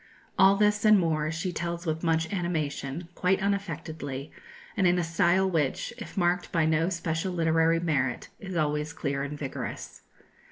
All this, and more, she tells with much animation, quite unaffectedly, and in a style which, if marked by no special literary merit, is always clear and vigorous.